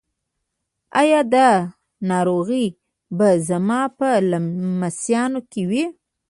ایا دا ناروغي به زما په لمسیانو کې وي؟